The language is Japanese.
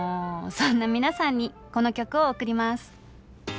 そんな皆さんにこの曲を贈ります。